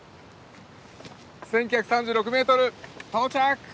１，９３６ｍ到着！